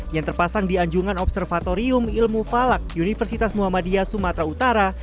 yang terpasang di anjungan observatorium ilmu falak universitas muhammadiyah sumatera utara